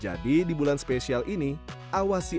jadi di bulan spesial ini kita harus mengendalikan nafsu makan